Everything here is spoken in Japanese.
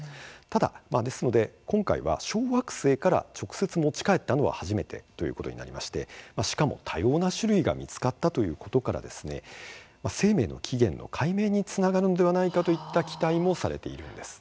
ただ、今回は小惑星から直接、持ち帰ったのは初めてということになりまして、しかも多様な種類が見つかったということから、生命の起源の解明につながるのではないかといった期待もされているんです。